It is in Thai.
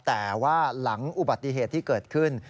แต่ว่าหลังอุบัติเหตุที่เกิดขึ้น